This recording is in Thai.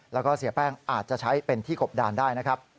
แล้วก็เสียแป้งอาจจะใช้เป็นที่กบดานได้นะครับ